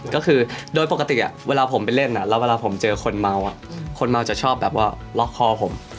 ก็คือโดยปกติเวลาผมไปเล่นแล้วเวลาผมเจอคนเมาคนเมาจะชอบแบบว่าล็อกคอผม